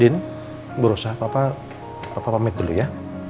din bu rosa papa pamit dulu ya